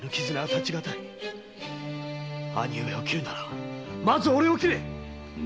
兄上を斬るならまずオレを斬れ！